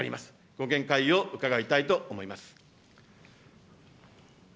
ご見解を伺いたいと思います。